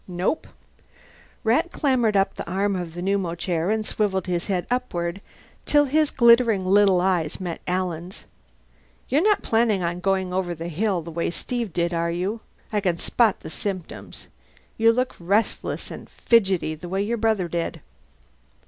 "Nope." Rat clambered up the arm of the pneumochair and swivelled his head upward till his glittering little eyes met Alan's. "You're not planning to go over the hill the way Steve did, are you? I can spot the symptoms. You look restless and fidgety the way your brother did."